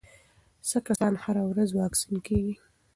څه کسان هره ورځ واکسین کېږي؟